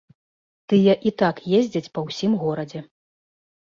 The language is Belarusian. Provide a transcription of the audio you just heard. Тыя і так ездзяць па ўсім горадзе.